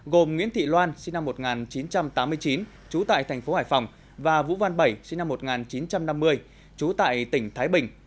gồm nguyễn thị loan sinh năm một nghìn chín trăm tám mươi chín chú tại tp hải phòng và vũ văn bảy sinh năm một nghìn chín trăm năm mươi chú tại tp thái bình